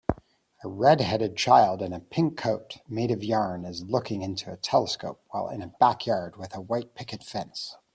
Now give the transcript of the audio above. A redheaded child in a pink coat made of yarn is looking into a telescope while in a backyard with a white picket fence